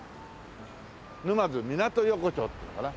沼津港横丁っていうのかな？